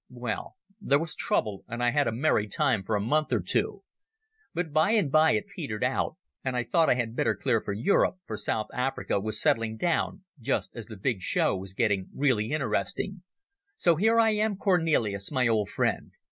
Well, there was trouble, and I had a merry time for a month or two. But by and by it petered out, and I thought I had better clear for Europe, for South Africa was settling down just as the big show was getting really interesting. So here I am, Cornelis, my old friend.